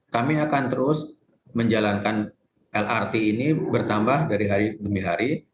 kami akan terus menjalankan lrt ini bertambah dari hari demi hari